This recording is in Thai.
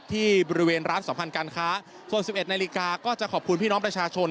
ที่บริเวณร้านสัมพันธ์การค้าส่วน๑๑นาฬิกาก็จะขอบคุณพี่น้องประชาชน